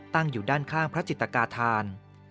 ตั้งอยู่ด้านข้างพระจิตกาธาน